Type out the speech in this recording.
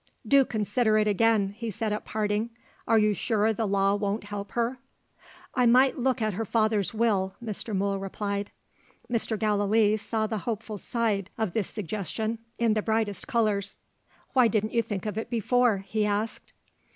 "Do consider it again!" he said at parting. "Are you sure the law won't help her?" "I might look at her father's Will," Mr. Mool replied. Mr. Gallilee saw the hopeful side of this suggestion, in the brightest colours. "Why didn't you think of it before?" he asked.